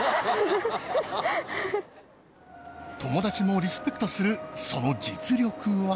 友達もリスペクトするその実力は？